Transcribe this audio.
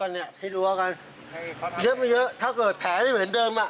เนี่ยให้รั้วกันเยอะไม่เยอะถ้าเกิดแผลไม่เหมือนเดิมอ่ะ